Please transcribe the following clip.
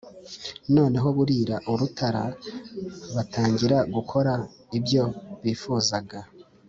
noneho burira urutara batangira gukora ibyo bifuzaga,